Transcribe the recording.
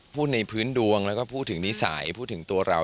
ในพื้นดวงแล้วก็พูดถึงนิสัยพูดถึงตัวเรา